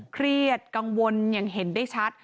เครียดกังวลอย่างเห็นได้ชัด